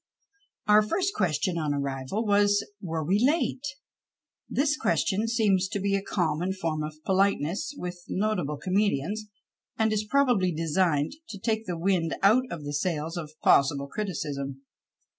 Our first question on arrival was, were we late ? This question seems to be a common form of polite ness with notable comedians, and is probably designed to take the wind out of the sails of possible criticism.